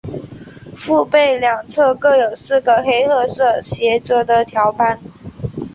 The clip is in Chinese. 腹背两侧各有四个黑褐色斜着的条斑。